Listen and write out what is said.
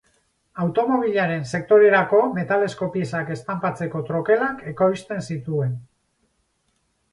Automobilaren sektorerako metalezko piezak estanpatzeko trokelak ekoizten zituen.